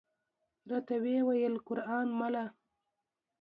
راته وې ویل: قران مله!